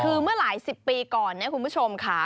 คือเมื่อหลายสิบปีก่อนเนี่ยคุณผู้ชมค่ะ